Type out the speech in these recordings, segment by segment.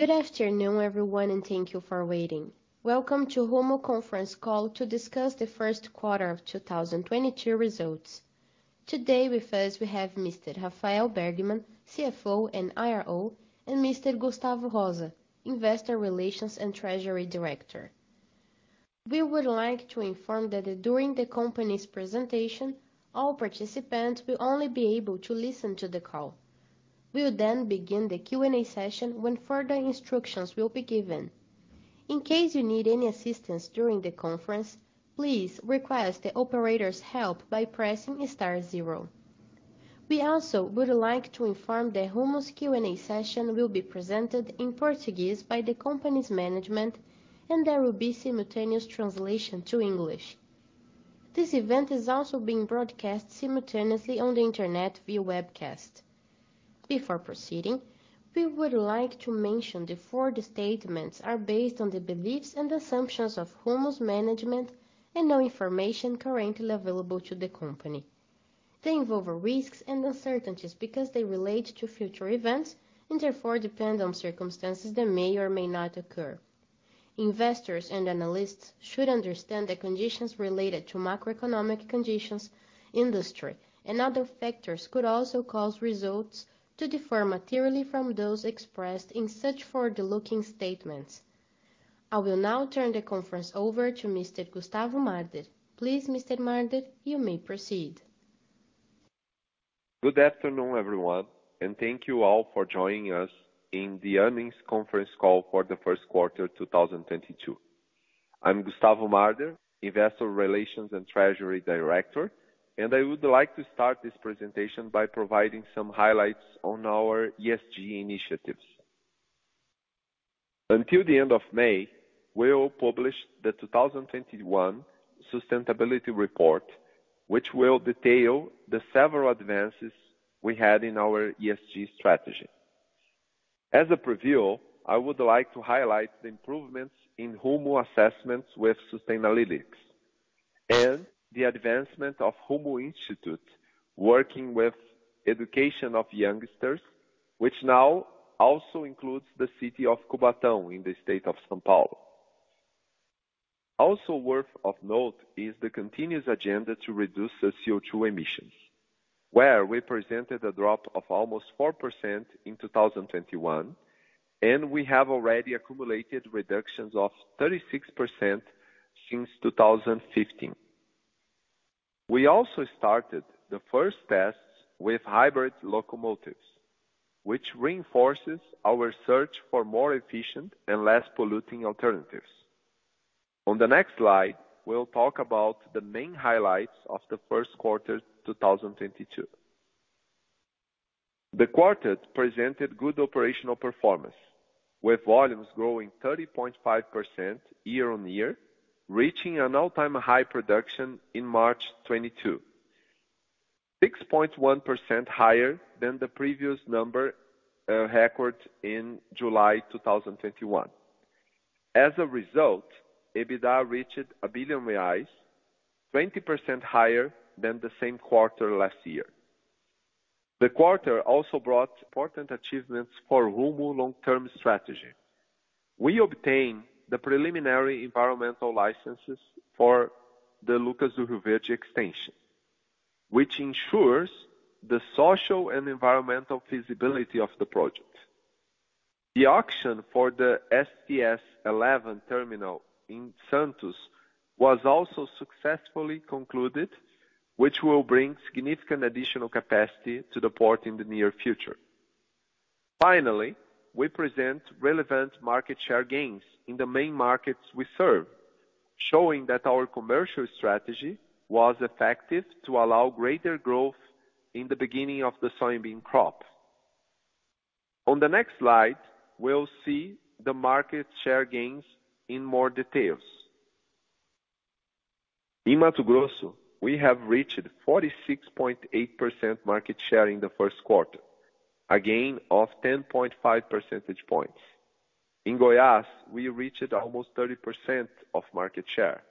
Good afternoon, everyone, and thank you for waiting. Welcome to Rumo conference call to discuss the first quarter of 2022 results. Today with us we have Mr. Rafael Bergman, CFO & IRO, and Mr. Gustavo Marder da Rosa, Investor Relations and Treasury Director. We would like to inform that during the company's presentation, all participants will only be able to listen to the call. We'll then begin the Q&A session when further instructions will be given. In case you need any assistance during the conference, please request the operator's help by pressing star zero. We also would like to inform that Rumo's Q&A session will be presented in Portuguese by the company's management, and there will be simultaneous translation to English. This event is also being broadcast simultaneously on the Internet via webcast. Before proceeding, we would like to mention the forward-looking statements are based on the beliefs and assumptions of Rumo's management and on information currently available to the company. They involve risks and uncertainties because they relate to future events and therefore depend on circumstances that may or may not occur. Investors and analysts should understand that the conditions related to macroeconomic conditions, industry, and other factors could also cause results to differ materially from those expressed in such forward-looking statements. I will now turn the conference over to Mr. Gustavo Marder da Rosa. Please, Mr. Marder da Rosa, you may proceed. Good afternoon, everyone, and thank you all for joining us in the earnings conference call for the first quarter 2022. I'm Gustavo Marder da Rosa, Investor Relations and Treasury Director, and I would like to start this presentation by providing some highlights on our ESG initiatives. Until the end of May, we'll publish the 2021 sustainability report, which will detail the several advances we had in our ESG strategy. As a preview, I would like to highlight the improvements in Rumo assessments with Sustainalytics and the advancement of Instituto Rumo working with education of youngsters, which now also includes the city of Cubatão in the state of São Paulo. Also worth of note is the continuous agenda to reduce the CO₂ emissions, where we presented a drop of almost 4% in 2021, and we have already accumulated reductions of 36% since 2015. We also started the first tests with hybrid locomotives, which reinforces our search for more efficient and less polluting alternatives. On the next slide, we'll talk about the main highlights of the first quarter 2022. The quarter presented good operational performance, with volumes growing 30.5% year-on-year, reaching an all-time high production in March 2022, 6.1% higher than the previous number recorded in July 2021. As a result, EBITDA reached 1 billion reais, 20% higher than the same quarter last year. The quarter also brought important achievements for Rumo long-term strategy. We obtained the preliminary environmental licenses for the Lucas do Rio Verde extension, which ensures the social and environmental feasibility of the project. The auction for the STS-11 terminal in Santos was also successfully concluded, which will bring significant additional capacity to the port in the near future. Finally, we present relevant market share gains in the main markets we serve, showing that our commercial strategy was effective to allow greater growth in the beginning of the soybean crop. On the next slide, we'll see the market share gains in more details. In Mato Grosso, we have reached 46.8% market share in the first quarter, a gain of 10.5 percentage points. In Goiás, we reached almost 30% of market share,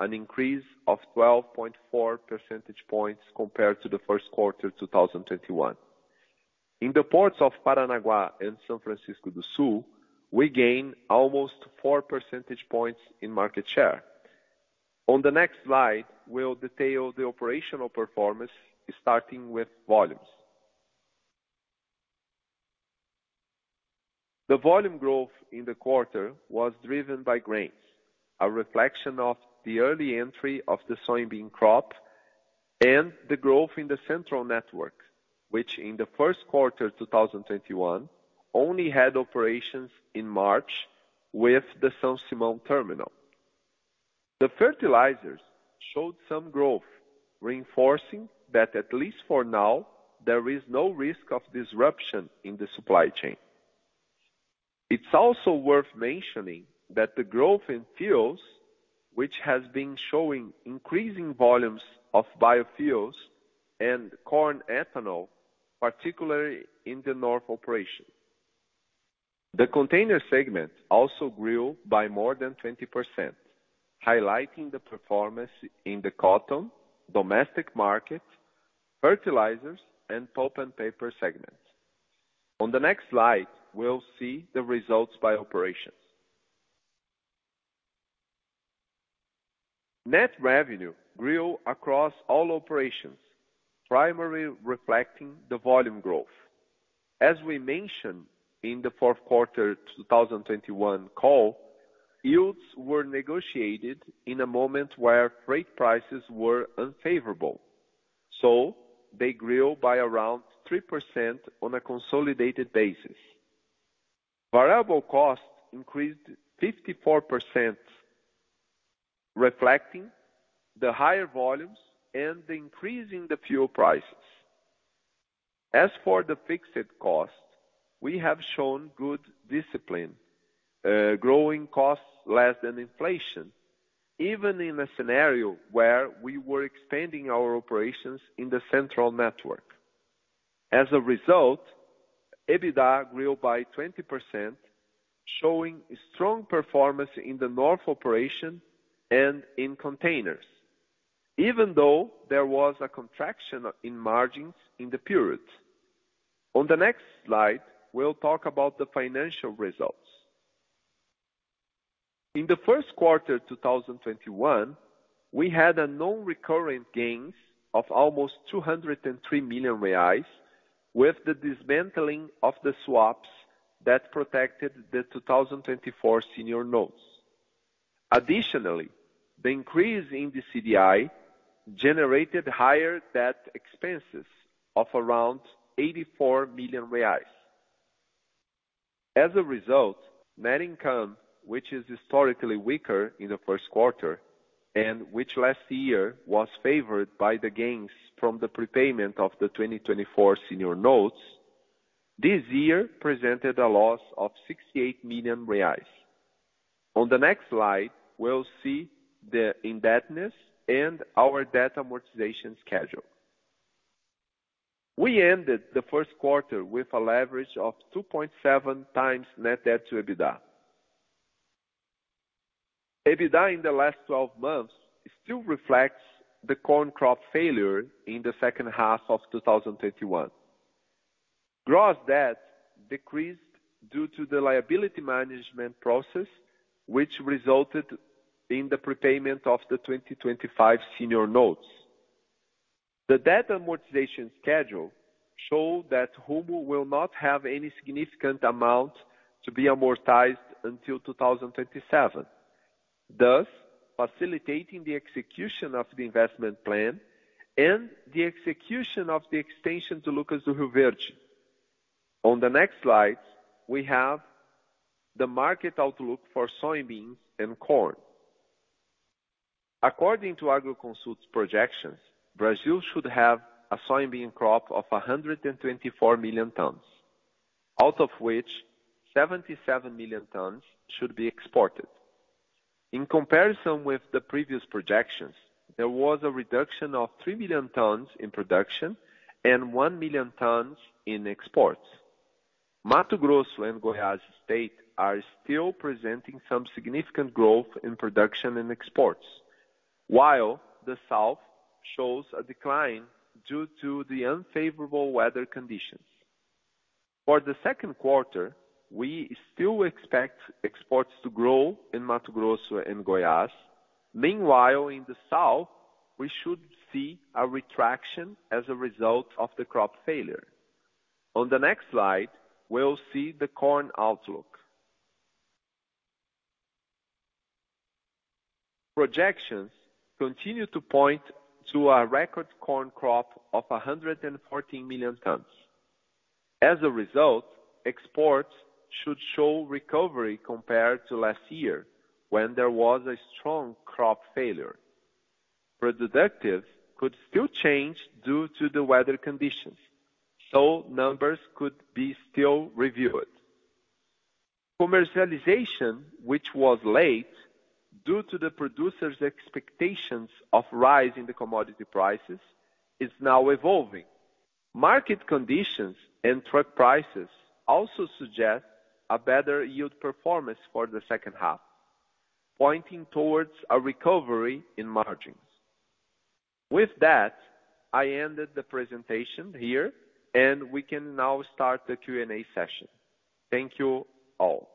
an increase of 12.4 percentage points compared to the first quarter 2021. In the ports of Paranaguá and São Francisco do Sul, we gained almost 4 percentage points in market share. On the next slide, we'll detail the operational performance starting with volumes. The volume growth in the quarter was driven by grains, a reflection of the early entry of the soybean crop and the growth in the central network, which in the first quarter 2021 only had operations in March with the São Simão terminal. The fertilizers showed some growth, reinforcing that at least for now, there is no risk of disruption in the supply chain. It's also worth mentioning that the growth in fuels, which has been showing increasing volumes of biofuels and corn ethanol, particularly in the north operation. The container segment also grew by more than 20%, highlighting the performance in the cotton, domestic market, fertilizers and pulp and paper segments. On the next slide, we'll see the results by operations. Net revenue grew across all operations, primarily reflecting the volume growth. As we mentioned in the fourth quarter 2021 call, yields were negotiated in a moment where freight prices were unfavorable, so they grew by around 3% on a consolidated basis. Variable costs increased 54%, reflecting the higher volumes and the increase in the fuel prices. As for the fixed costs, we have shown good discipline, growing costs less than inflation, even in a scenario where we were expanding our operations in the central network. As a result, EBITDA grew by 20%, showing strong performance in the north operation and in containers, even though there was a contraction in margins in the period. On the next slide, we'll talk about the financial results. In the first quarter 2021, we had non-recurring gains of almost 203 million reais with the dismantling of the swaps that protected the 2024 senior notes. Additionally, the increase in the CDI generated higher debt expenses of around 84 million reais. As a result, net income, which is historically weaker in the first quarter and which last year was favored by the gains from the prepayment of the 2024 senior notes, this year presented a loss of 68 million reais. On the next slide, we'll see the indebtedness and our debt amortization schedule. We ended the first quarter with a leverage of 2.7x net debt to EBITDA. EBITDA in the last twelve months still reflects the corn crop failure in the second half of 2021. Gross debt decreased due to the liability management process, which resulted in the prepayment of the 2025 senior notes. The debt amortization schedule show that Rumo will not have any significant amount to be amortized until 2027, thus facilitating the execution of the investment plan and the execution of the extension to Lucas do Rio Verde. On the next slide, we have the market outlook for soybeans and corn. According to Agroconsult's projections, Brazil should have a soybean crop of 124 million tons, out of which 77 million tons should be exported. In comparison with the previous projections, there was a reduction of 3 million tons in production and 1 million tons in exports. Mato Grosso and Goiás State are still presenting some significant growth in production and exports, while the south shows a decline due to the unfavorable weather conditions. For the second quarter, we still expect exports to grow in Mato Grosso and Goiás. Meanwhile, in the south, we should see a retraction as a result of the crop failure. On the next slide, we'll see the corn outlook. Projections continue to point to a record corn crop of 114 million tons. As a result, exports should show recovery compared to last year when there was a strong crop failure. Productivity could still change due to the weather conditions, so numbers could still be reviewed. Commercialization, which was late due to the producers' expectations of a rise in the commodity prices, is now evolving. Market conditions and truck prices also suggest a better yield performance for the second half, pointing towards a recovery in margins. With that, I ended the presentation here, and we can now start the Q&A session. Thank you all.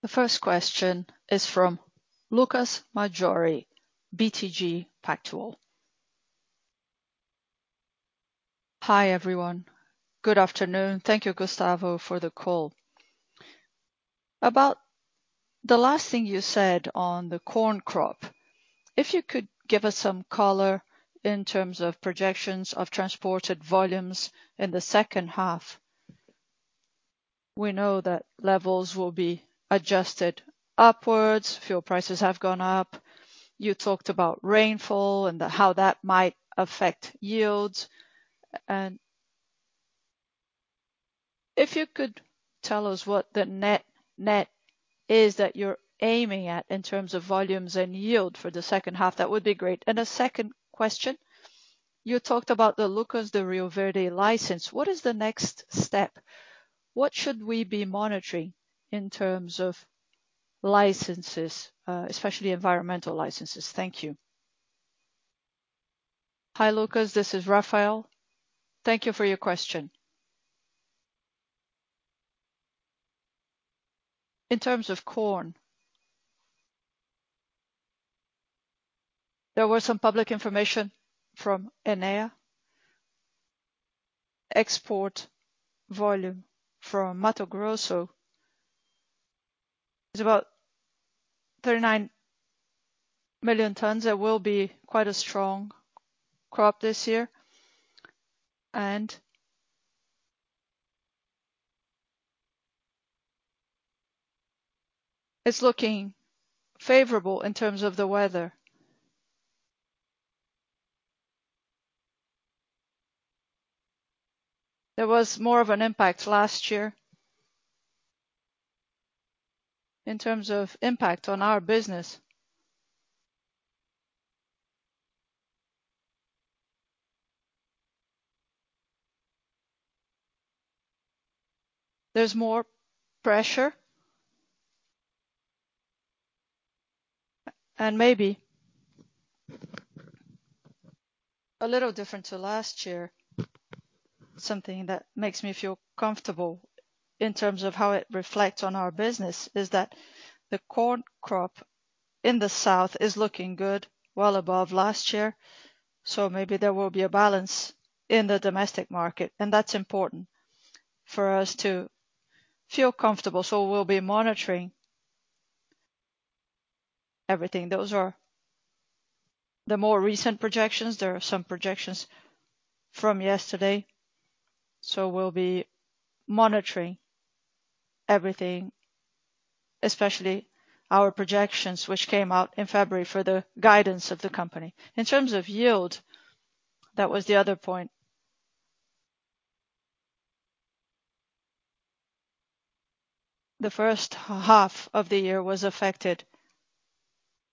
The first question is from Lucas Marquiori, BTG Pactual. Hi, everyone. Good afternoon. Thank you, Gustavo, for the call. About the last thing you said on the corn crop, if you could give us some color in terms of projections of transported volumes in the second half. We know that levels will be adjusted upwards. Fuel prices have gone up. You talked about rainfall and how that might affect yields. If you could tell us what the net is that you're aiming at in terms of volumes and yield for the second half, that would be great. A second question. You talked about the Lucas do Rio Verde license. What is the next step? What should we be monitoring in terms of licenses, especially environmental licenses? Thank you. Hi, Lucas. This is Rafael. Thank you for your question. In terms of corn, there was some public information from IMEA. Export volume from Mato Grosso is about 39 million tons. That will be quite a strong crop this year, and it's looking favorable in terms of the weather. There was more of an impact last year in terms of impact on our business. There's more pressure. Maybe a little different to last year, something that makes me feel comfortable in terms of how it reflects on our business is that the corn crop in the south is looking good, well above last year. Maybe there will be a balance in the domestic market, and that's important for us to feel comfortable. We'll be monitoring everything. Those are the more recent projections. There are some projections from yesterday, so we'll be monitoring everything, especially our projections, which came out in February for the guidance of the company. In terms of yield, that was the other point. The first half of the year was affected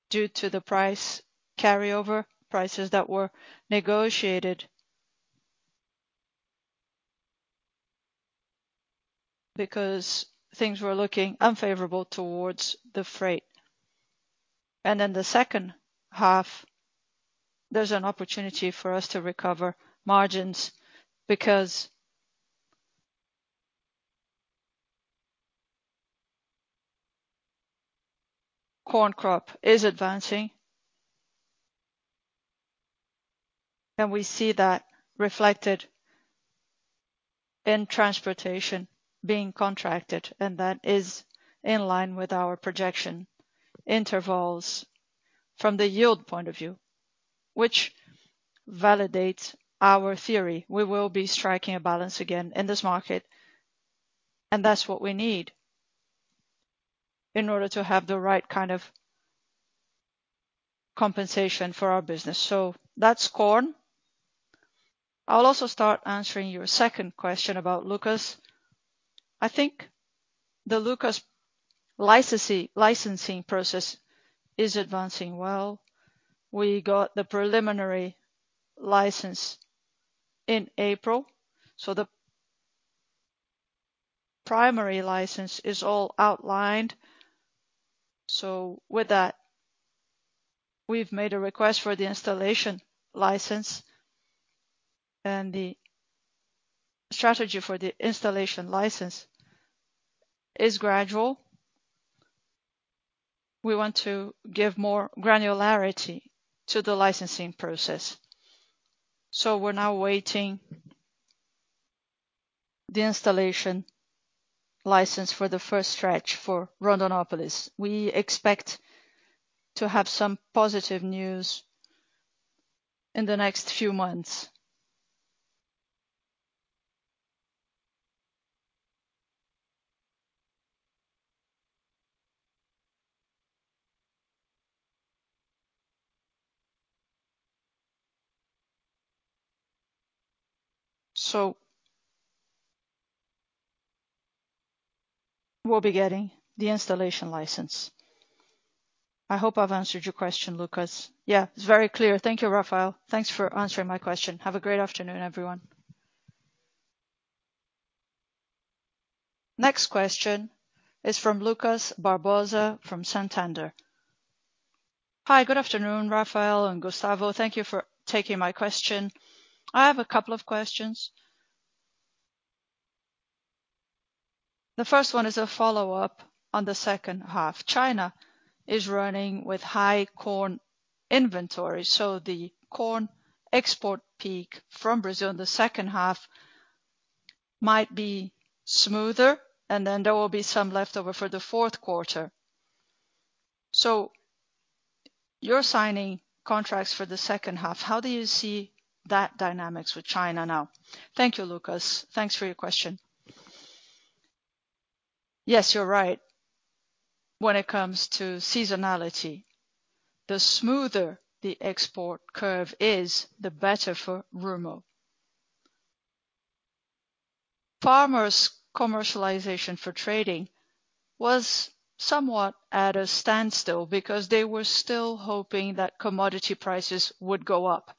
due to the price carryover, prices that were negotiated because things were looking unfavorable towards the freight. The second half, there's an opportunity for us to recover margins because corn crop is advancing. We see that reflected in transportation being contracted, and that is in line with our projection intervals from the yield point of view, which validates our theory. We will be striking a balance again in this market, and that's what we need in order to have the right kind of compensation for our business. That's corn. I'll also start answering your second question about Lucas. I think the Lucas licensing process is advancing well. We got the preliminary license in April, so the primary license is all outlined. With that, we've made a request for the installation license, and the strategy for the installation license is gradual. We want to give more granularity to the licensing process. We're now waiting the installation license for the first stretch for Rondonópolis. We expect to have some positive news in the next few months. We'll be getting the installation license. I hope I've answered your question, Lucas. Yeah, it's very clear. Thank you, Rafael. Thanks for answering my question. Have a great afternoon, everyone. Next question is from Lucas Barbosa from Santander. Hi, good afternoon, Rafael and Gustavo. Thank you for taking my question. I have a couple of questions. The first one is a follow-up on the second half. China is running with high corn inventory. The corn export peak from Brazil in the second half might be smoother, and then there will be some leftover for the fourth quarter. You're signing contracts for the second half. How do you see that dynamics with China now? Thank you, Lucas. Thanks for your question. Yes, you're right. When it comes to seasonality, the smoother the export curve is, the better for Rumo. Farmers' commercialization for trading was somewhat at a standstill because they were still hoping that commodity prices would go up.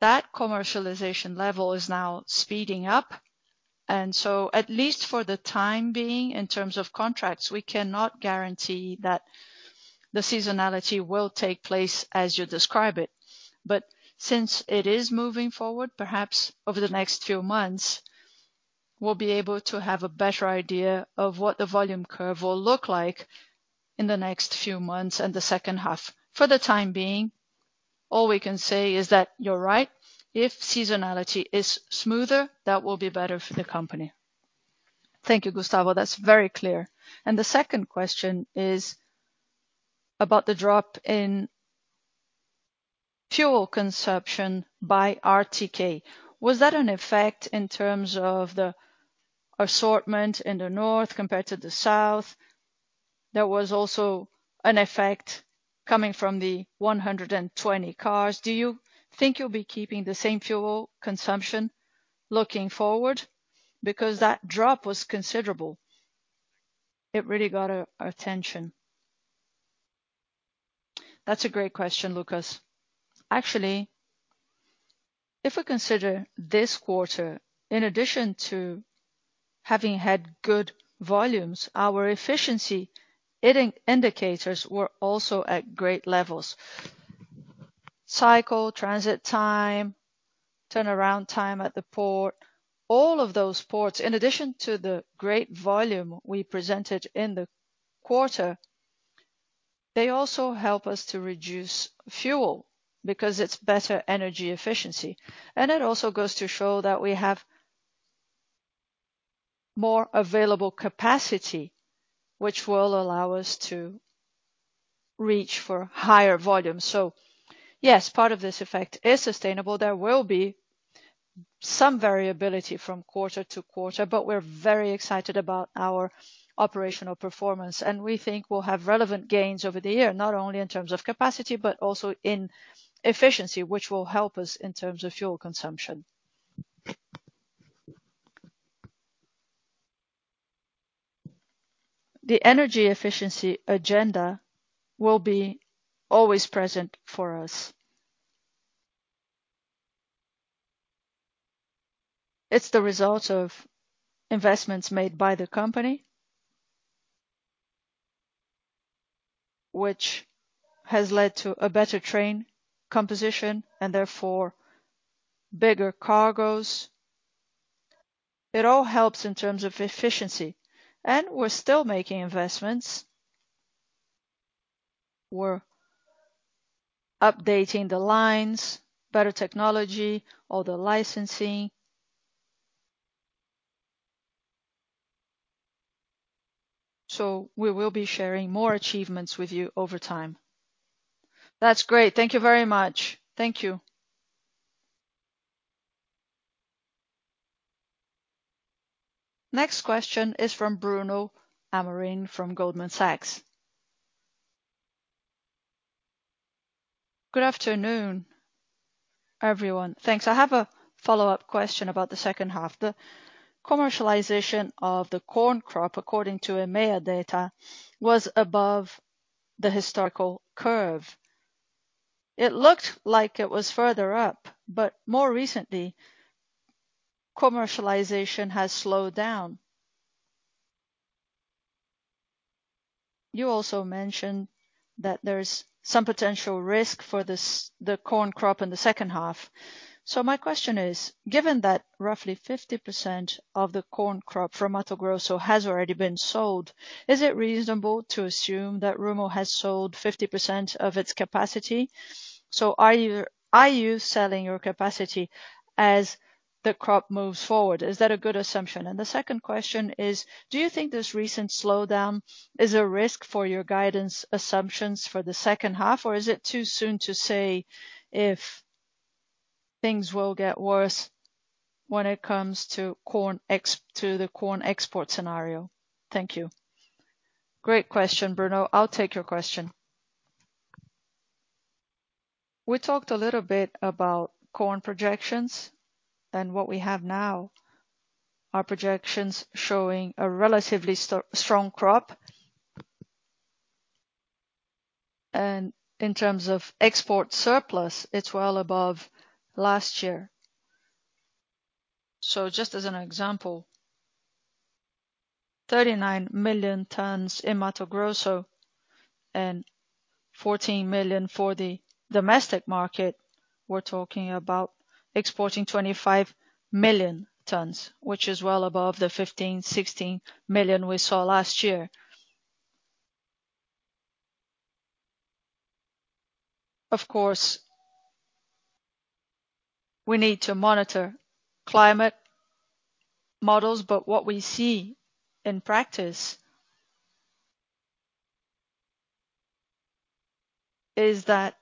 That commercialization level is now speeding up. At least for the time being, in terms of contracts, we cannot guarantee that the seasonality will take place as you describe it. Since it is moving forward, perhaps over the next few months, we'll be able to have a better idea of what the volume curve will look like in the next few months and the second half. For the time being, all we can say is that you're right. If seasonality is smoother, that will be better for the company. Thank you, Gustavo. That's very clear. The second question is about the drop in fuel consumption by RTK. Was that an effect in terms of the assortment in the north compared to the south? There was also an effect coming from the 120 cars. Do you think you'll be keeping the same fuel consumption looking forward? Because that drop was considerable. It really got our attention. That's a great question, Lucas. Actually, if we consider this quarter, in addition to having had good volumes, our efficiency indicators were also at great levels. Cycle, transit time, turnaround time at the port, all of those ports, in addition to the great volume we presented in the quarter, they also help us to reduce fuel because it's better energy efficiency. It also goes to show that we have more available capacity which will allow us to reach for higher volume. Yes, part of this effect is sustainable. There will be some variability from quarter to quarter, but we're very excited about our operational performance, and we think we'll have relevant gains over the year, not only in terms of capacity, but also in efficiency, which will help us in terms of fuel consumption. The energy efficiency agenda will be always present for us. It's the result of investments made by the company, which has led to a better train composition and therefore bigger cargos. It all helps in terms of efficiency, and we're still making investments. We're updating the lines, better technology, all the licensing. We will be sharing more achievements with you over time. That's great. Thank you very much. Thank you. Next question is from Bruno Amorim from Goldman Sachs. Good afternoon, everyone. Thanks. I have a follow-up question about the second half. The commercialization of the corn crop, according to IMEA data, was above the historical curve. It looked like it was further up, but more recently, commercialization has slowed down. You also mentioned that there's some potential risk for this, the corn crop in the second half. My question is, given that roughly 50% of the corn crop from Mato Grosso has already been sold, is it reasonable to assume that Rumo has sold 50% of its capacity? Are you selling your capacity as the crop moves forward? Is that a good assumption? The second question is, do you think this recent slowdown is a risk for your guidance assumptions for the second half, or is it too soon to say if things will get worse when it comes to the corn export scenario? Thank you. Great question, Bruno. I'll take your question. We talked a little bit about corn projections, and what we have now are projections showing a relatively strong crop. In terms of export surplus, it's well above last year. Just as an example, 39 million tons in Mato Grosso and 14 million for the domestic market. We're talking about exporting 25 million tons, which is well above the 15, 16 million we saw last year. Of course, we need to monitor climate models, but what we see in practice is that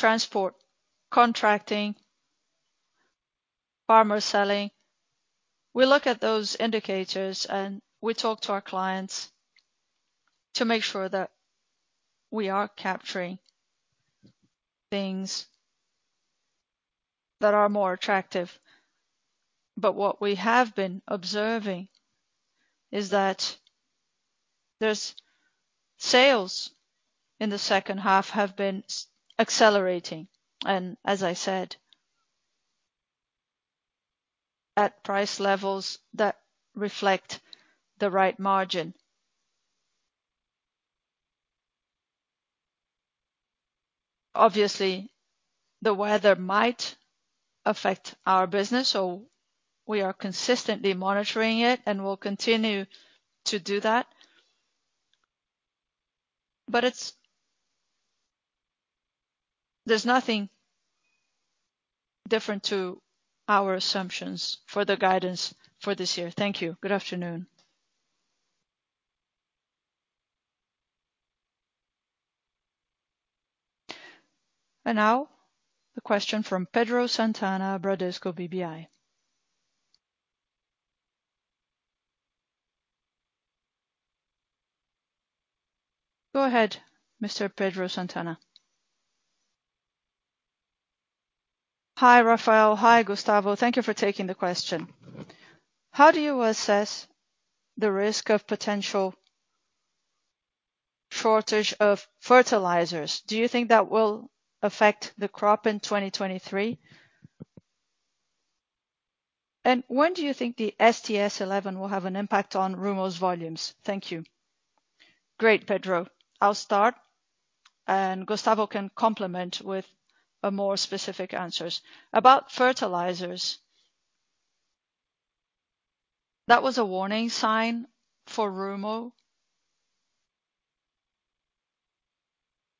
transport contracting, farmer selling, we look at those indicators, and we talk to our clients to make sure that we are capturing things that are more attractive. What we have been observing is that there's sales in the second half have been accelerating, and as I said, at price levels that reflect the right margin. Obviously, the weather might affect our business, so we are consistently monitoring it, and we'll continue to do that. It's, there's nothing different to our assumptions for the guidance for this year. Thank you. Good afternoon. Now the question from Pedro Santana, Bradesco BBI. Go ahead, Mr. Pedro Santana. Hi, Rafael. Hi, Gustavo. Thank you for taking the question. How do you assess the risk of potential shortage of fertilizers? Do you think that will affect the crop in 2023? And when do you think the STS-11 will have an impact on Rumo's volumes? Thank you. Great, Pedro. I'll start, and Gustavo can complement with a more specific answers. About fertilizers, that was a warning sign for Rumo.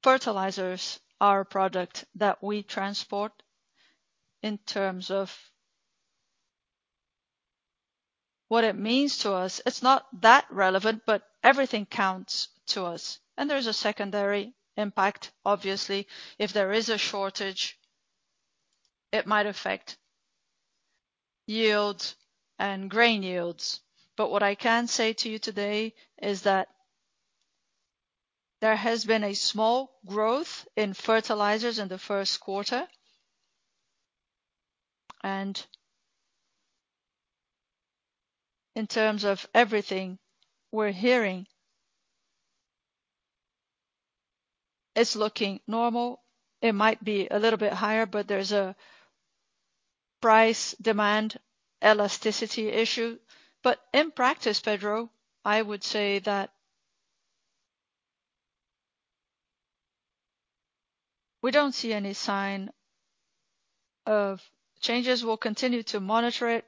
Fertilizers are a product that we transport. In terms of what it means to us, it's not that relevant, but everything counts to us. There is a secondary impact, obviously. If there is a shortage, it might affect yields and grain yields. But what I can say to you today is that there has been a small growth in fertilizers in the first quarter. In terms of everything we're hearing, it's looking normal. It might be a little bit higher, but there's a price-demand elasticity issue. In practice, Pedro, I would say that we don't see any sign of changes. We'll continue to monitor it.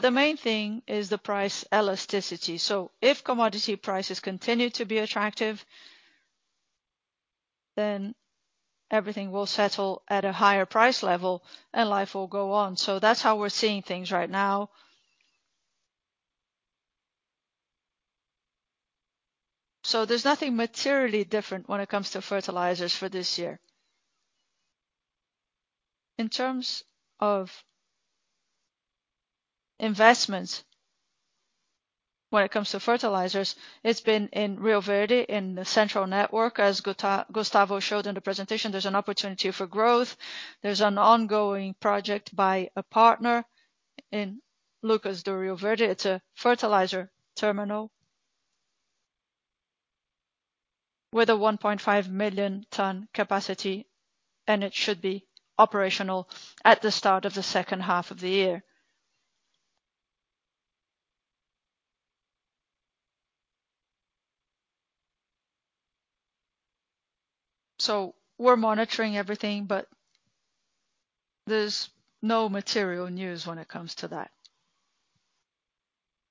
The main thing is the price elasticity. If commodity prices continue to be attractive, then everything will settle at a higher price level and life will go on. That's how we're seeing things right now. There's nothing materially different when it comes to fertilizers for this year. In terms of investments, when it comes to fertilizers, it's been in Rio Verde, in the central network. As Gustavo showed in the presentation, there's an opportunity for growth. There's an ongoing project by a partner in Lucas do Rio Verde. It's a fertilizer terminal with a 1.5 million-ton capacity, and it should be operational at the start of the second half of the year. We're monitoring everything, but there's no material news when it comes to that.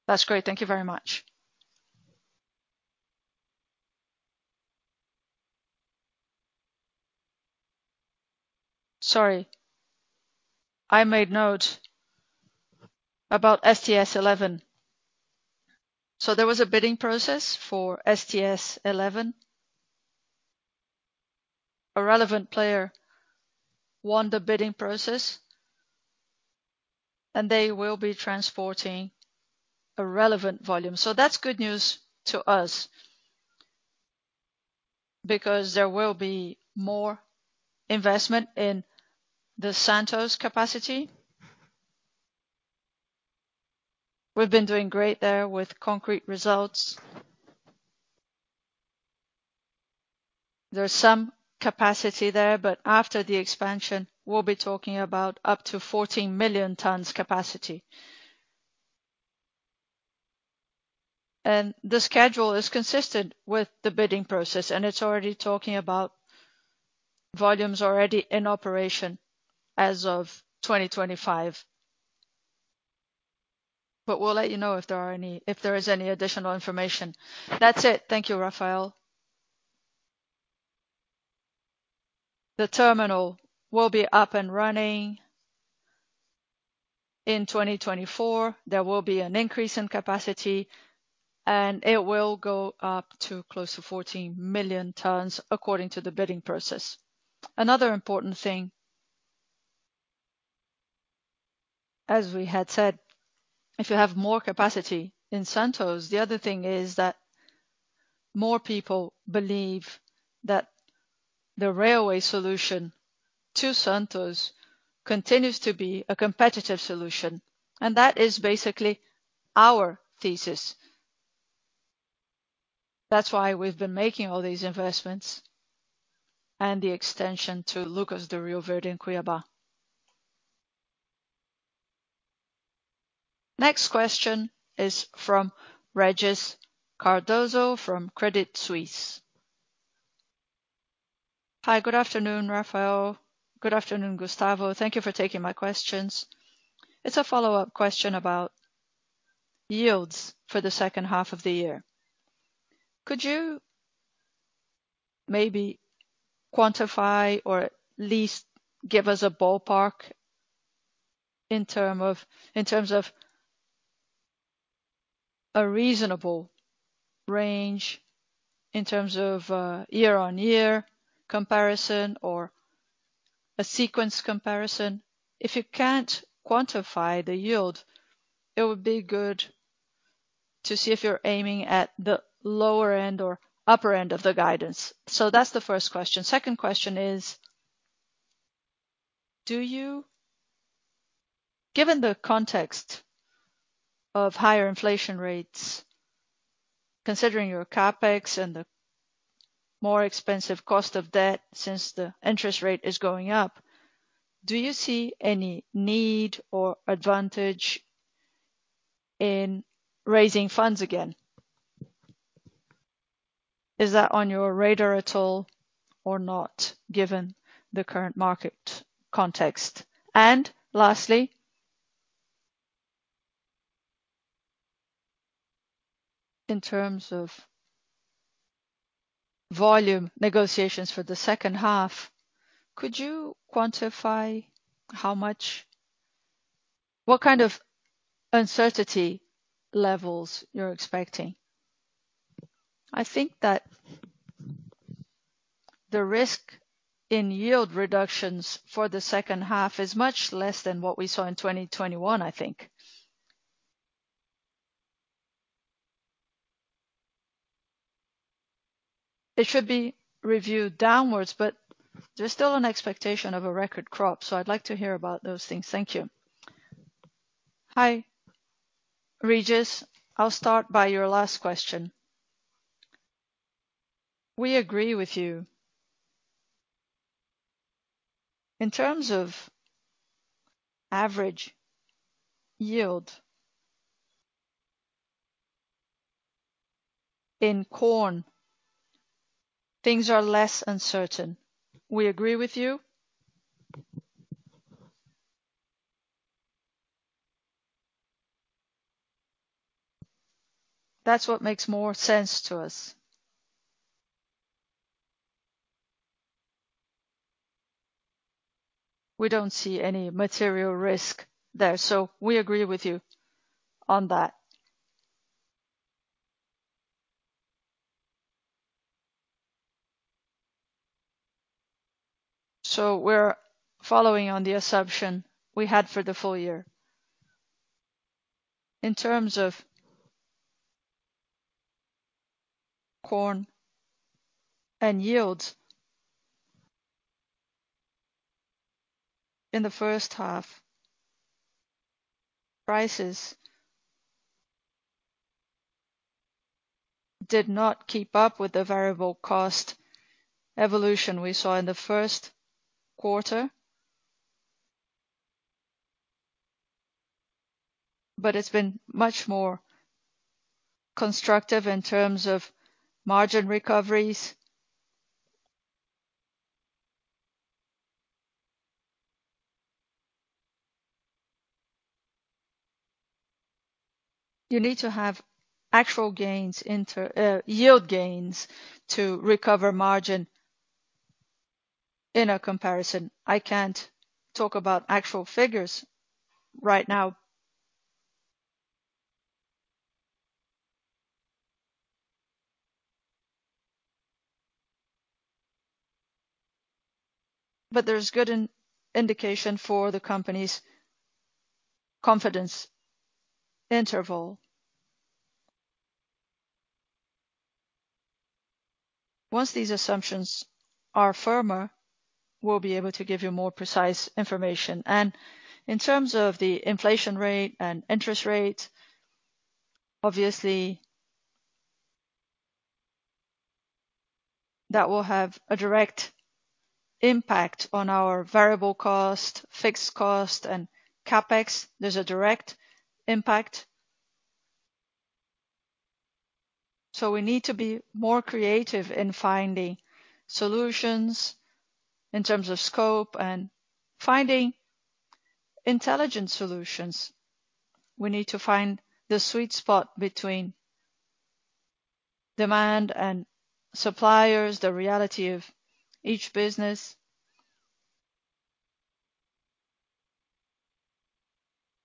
That's great. Thank you very much. Sorry, I made note about STS-11. There was a bidding process for STS-11. A relevant player won the bidding process, and they will be transporting a relevant volume. That's good news to us because there will be more investment in the Santos capacity. We've been doing great there with concrete results. There's some capacity there, but after the expansion, we'll be talking about up to 14 million tons capacity. The schedule is consistent with the bidding process, and it's already talking about volumes already in operation as of 2025. We'll let you know if there is any additional information. That's it. Thank you, Rafael. The terminal will be up and running in 2024. There will be an increase in capacity and it will go up to close to 14 million tons according to the bidding process. Another important thing, as we had said, if you have more capacity in Santos, the other thing is that more people believe that the railway solution to Santos continues to be a competitive solution, and that is basically our thesis. That's why we've been making all these investments and the extension to Lucas do Rio Verde in Cuiabá. Next question is from Regis Cardoso from Credit Suisse. Hi, good afternoon, Rafael. Good afternoon, Gustavo. Thank you for taking my questions. It's a follow-up question about yields for the second half of the year. Could you maybe quantify or at least give us a ballpark in terms of a reasonable range, in terms of year-on-year comparison or a sequence comparison? If you can't quantify the yield, it would be good to see if you're aiming at the lower end or upper end of the guidance. That's the first question. Second question is, given the context of higher inflation rates, considering your CapEx and the more expensive cost of debt since the interest rate is going up, do you see any need or advantage in raising funds again? Is that on your radar at all or not, given the current market context? Lastly, in terms of volume negotiations for the second half, could you quantify what kind of uncertainty levels you're expecting? I think that the risk in yield reductions for the second half is much less than what we saw in 2021, I think. It should be reviewed downwards, but there's still an expectation of a record crop, so I'd like to hear about those things. Thank you. Hi, Regis. I'll start by your last question. We agree with you. In terms of average yield in corn, things are less uncertain. We agree with you. That's what makes more sense to us. We don't see any material risk there, so we agree with you on that. We're following on the assumption we had for the full year. In terms of corn and yields in the first half, prices did not keep up with the variable cost evolution we saw in the first quarter, but it's been much more constructive in terms of margin recoveries. You need to have actual gains, yield gains to recover margin in a comparison. I can't talk about actual figures right now. There's good indication for the company's confidence interval. Once these assumptions are firmer, we'll be able to give you more precise information. In terms of the inflation rate and interest rate. Obviously, that will have a direct impact on our variable cost, fixed cost, and CapEx. There's a direct impact. We need to be more creative in finding solutions in terms of scope and finding intelligent solutions. We need to find the sweet spot between demand and suppliers, the reality of each business.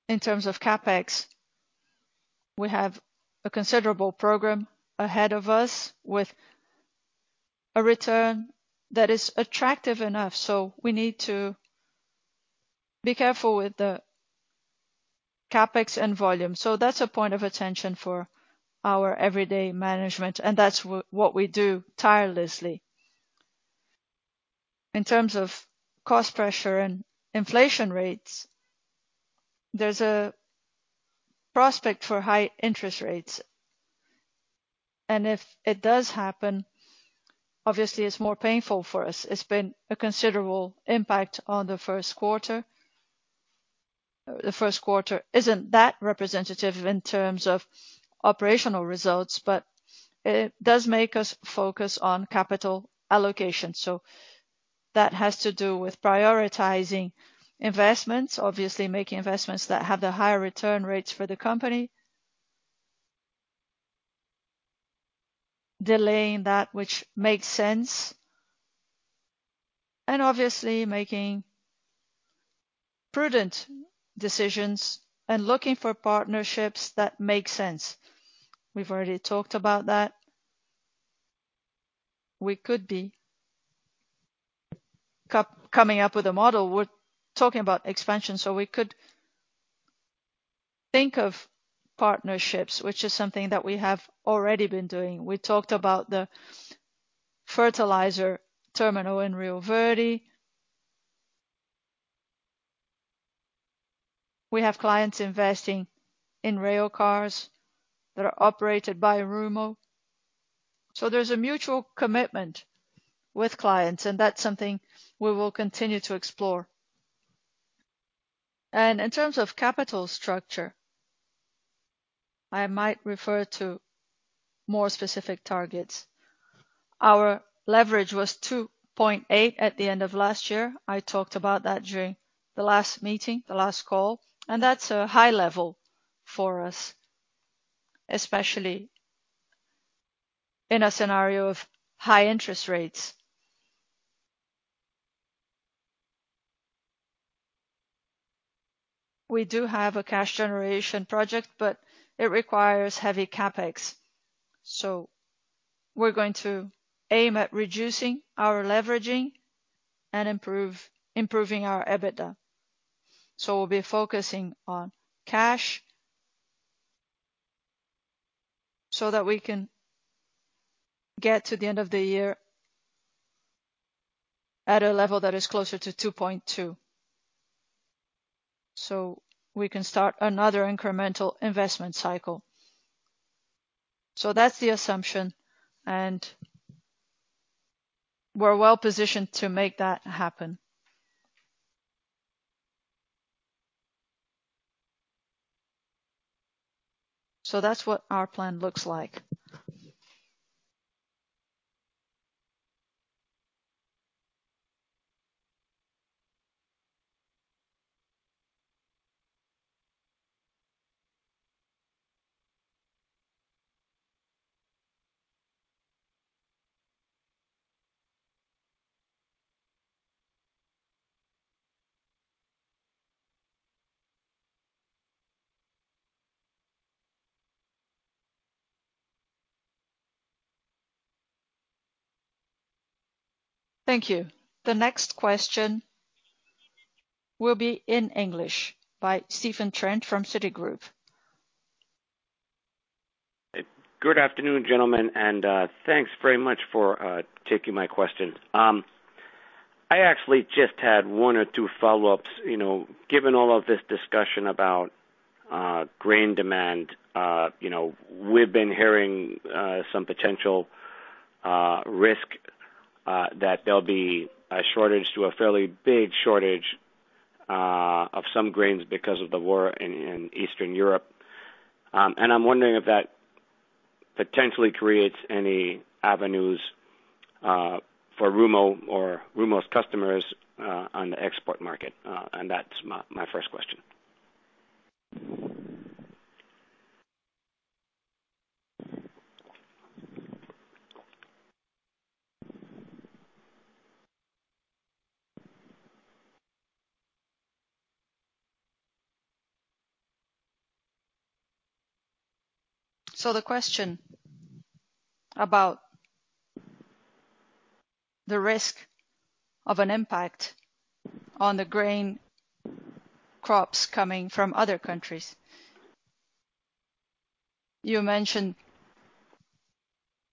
In terms of CapEx, we have a considerable program ahead of us with a return that is attractive enough. We need to be careful with the CapEx and volume. That's a point of attention for our everyday management, and that's what we do tirelessly. In terms of cost pressure and inflation rates, there's a prospect for high interest rates. If it does happen, obviously it's more painful for us. It's been a considerable impact on the first quarter. The first quarter isn't that representative in terms of operational results, but it does make us focus on capital allocation. That has to do with prioritizing investments. Obviously, making investments that have the higher return rates for the company. Delaying that which makes sense. Obviously making prudent decisions and looking for partnerships that make sense. We've already talked about that. We could be coming up with a model. We're talking about expansion, so we could think of partnerships, which is something that we have already been doing. We talked about the fertilizer terminal in Rio Verde. We have clients investing in rail cars that are operated by Rumo. There's a mutual commitment with clients, and that's something we will continue to explore. In terms of capital structure, I might refer to more specific targets. Our leverage was 2.8 at the end of last year. I talked about that during the last meeting, the last call, and that's a high level for us, especially in a scenario of high interest rates. We do have a cash generation project, but it requires heavy CapEx. We're going to aim at reducing our leveraging and improving our EBITDA. We'll be focusing on cash so that we can get to the end of the year at a level that is closer to 2.2, so we can start another incremental investment cycle. That's the assumption, and we're well-positioned to make that happen. That's what our plan looks like. Thank you. The next question will be in English by Stephen Trent from Citigroup. Good afternoon, gentlemen, and thanks very much for taking my question. I actually just had one or two follow-ups. You know, given all of this discussion about grain demand, you know, we've been hearing some potential risk that there'll be a fairly big shortage of some grains because of the war in Eastern Europe. I'm wondering if that potentially creates any avenues for Rumo or Rumo's customers on the export market. That's my first question. The question about the risk of an impact on the grain crops coming from other countries. You mentioned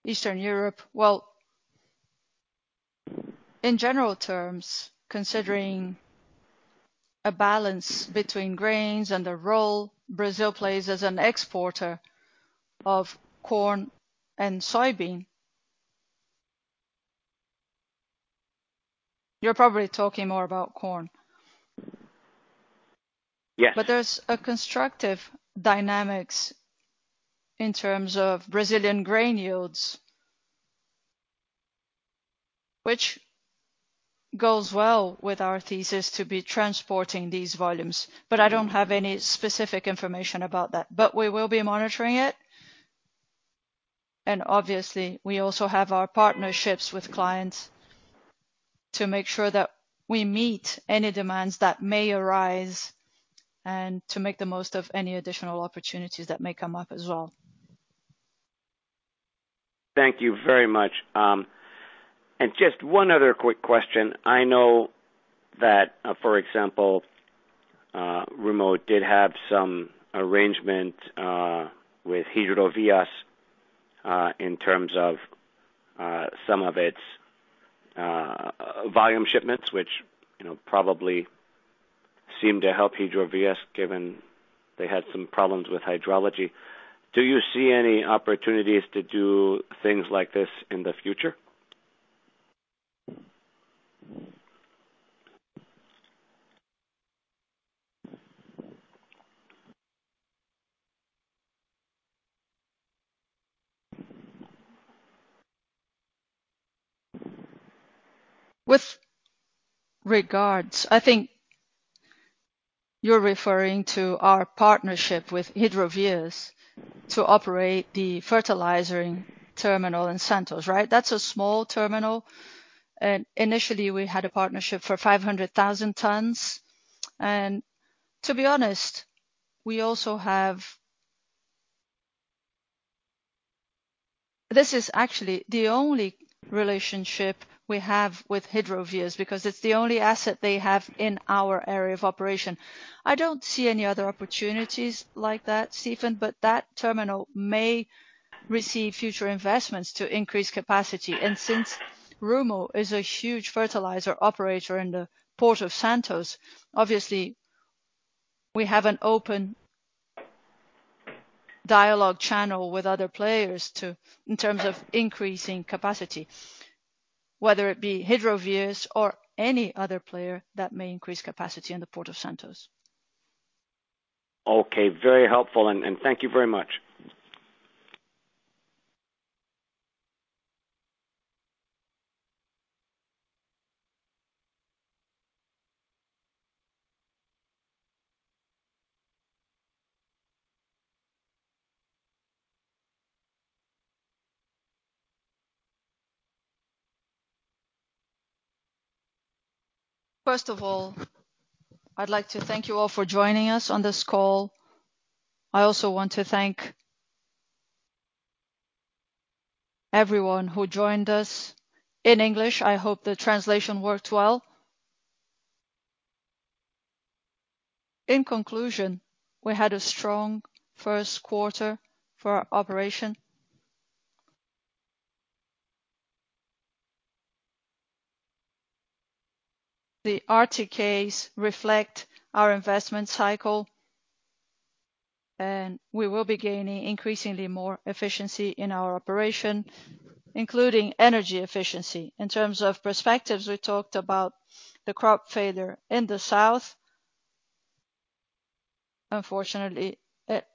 Eastern Europe. Well, in general terms, considering a balance between grains and the role Brazil plays as an exporter of corn and soybean. You're probably talking more about corn. Yes. There's a constructive dynamics in terms of Brazilian grain yields, which goes well with our thesis to be transporting these volumes, but I don't have any specific information about that. We will be monitoring it, and obviously, we also have our partnerships with clients to make sure that we meet any demands that may arise and to make the most of any additional opportunities that may come up as well. Thank you very much. Just one other quick question. I know that, for example, Rumo did have some arrangement with Hidrovias, in terms of some of its volume shipments, which, you know, probably seemed to help Hidrovias given they had some problems with hydrology. Do you see any opportunities to do things like this in the future? With regards, I think you're referring to our partnership with Hidrovias to operate the fertilizer terminal in Santos, right? That's a small terminal. Initially, we had a partnership for 500,000 tons. To be honest, we also have. This is actually the only relationship we have with Hidrovias because it's the only asset they have in our area of operation. I don't see any other opportunities like that, Stephen, but that terminal may receive future investments to increase capacity. Since Rumo is a huge fertilizer operator in the Port of Santos, obviously we have an open dialogue channel with other players in terms of increasing capacity, whether it be Hidrovias or any other player that may increase capacity in the Port of Santos. Okay. Very helpful, and thank you very much. First of all, I'd like to thank you all for joining us on this call. I also want to thank everyone who joined us in English. I hope the translation worked well. In conclusion, we had a strong first quarter for our operation. The RTKs reflect our investment cycle, and we will be gaining increasingly more efficiency in our operation, including energy efficiency. In terms of prospects, we talked about the crop failure in the south. Unfortunately, it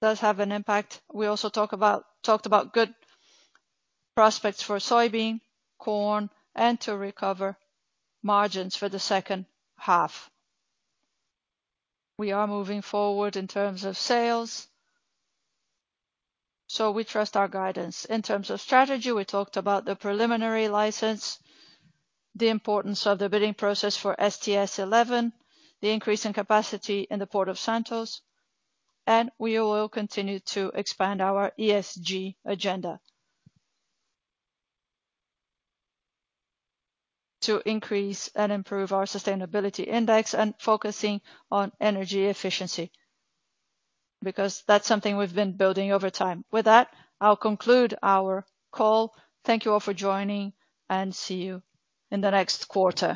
does have an impact. We also talked about good prospects for soybean, corn, and to recover margins for the second half. We are moving forward in terms of sales, so we trust our guidance. In terms of strategy, we talked about the preliminary license, the importance of the bidding process for STS-11, the increase in capacity in the Port of Santos. We will continue to expand our ESG agenda to increase and improve our sustainability index, focusing on energy efficiency, because that's something we've been building over time. With that, I'll conclude our call. Thank you all for joining, and see you in the next quarter.